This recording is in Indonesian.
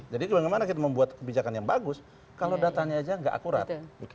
jadi bagaimana kita membuat kebijakan yang bagus kalau datanya aja nggak akurat